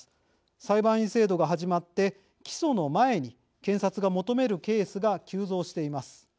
裁判員制度が始まって起訴の前に検察が求めるケースが急増しています。